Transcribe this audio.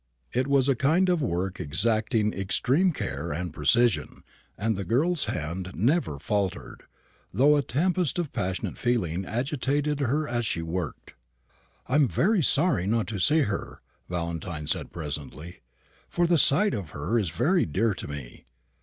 It was a kind of work exacting extreme care and precision, and the girl's hand never faltered, though a tempest of passionate feeling agitated her as she worked. "I am very sorry not to see her," Valentine said presently, "for the sight of her is very dear to me.